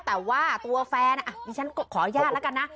แต่ว่าตัวแฟนดิฉันขออนุญาตแล้วกันนะ